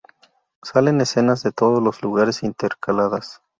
Salen escenas de todos los lugares intercaladas.